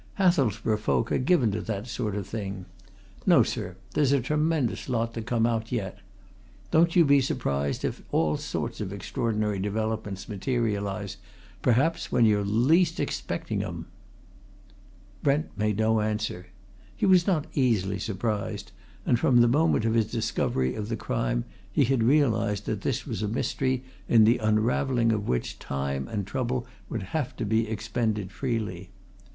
Hathelsborough folk are given to that sort of thing. No, sir there's a tremendous lot to come out yet. Don't you be surprised if all sorts of extraordinary developments materialize perhaps when you're least expecting 'em!" Brent made no answer. He was not easily surprised, and from the moment of his discovery of the crime he had realized that this was a mystery in the unravelling of which time and trouble would have to be expended freely.